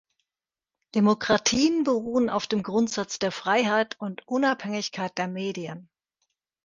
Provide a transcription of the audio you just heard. Demokratien beruhen auf dem Grundsatz der Freiheit und Unabhängigkeit der Medien.